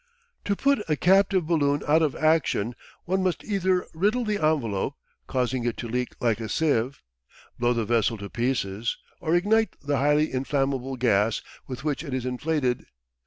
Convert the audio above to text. To put a captive balloon out of action one must either riddle the envelope, causing it to leak like a sieve, blow the vessel to pieces, or ignite the highly inflammable gas with which it is inflated.